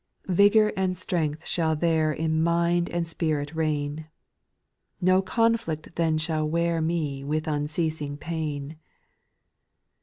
8. Vigour and strength shall there In mind and spirit reign, ITo conflict then shall wear Me with unceasing pain.